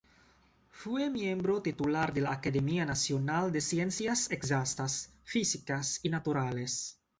Fue miembro titular de la Academia Nacional de Ciencias Exactas, Físicas y Naturales.